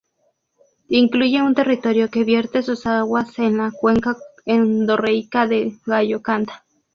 Incluye un territorio, que vierte sus aguas en la cuenca endorreica de Gallocanta.